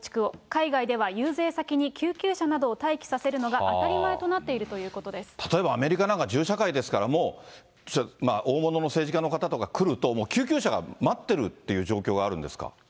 海外では遊説先に救急車などを待機させるのが当たり前となってい例えばアメリカなんか、銃社会ですから、もう大物の政治家の方とか来ると、もう救急車が待ってるっていう状況があるんですか？